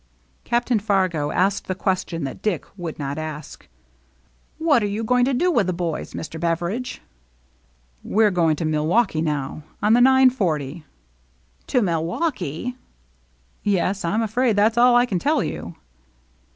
Captain Fargo asked the question that Dick would not ask. " What are you going to do with the boys, Mr. Beveridge ?" "We're going to Milwaukee now, on the nine forty." " To Milwaukee !" "Yes. I'm afraid that's all I can tell you."